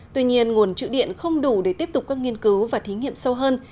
tuy nhiên nguồn trữ điện không đủ để tiếp tục các nghiên cứu và thí nghiệm sâu hơn